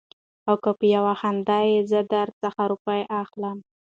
او که په يوه خاندې زه در څخه روپۍ اخلم.